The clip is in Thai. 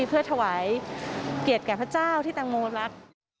เพื่อถวายเกียรติแก่พระเจ้าที่ตังโมรัก